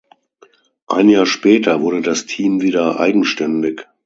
Ein Jahr später wurde das Team wieder eigenständig.